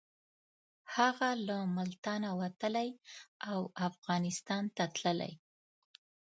هغه له ملتانه وتلی او افغانستان ته تللی.